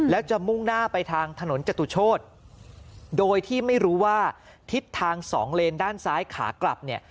แล้วจะมุ่งหน้าไปทางถนนจตุโชธโดยที่ไม่รู้ว่าทิศทางสองเลนด้านซ้ายขากลับเนี่ย